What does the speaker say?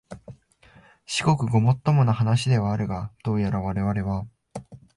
至極ごもっともな話ではあるが、どうやらわれわれは、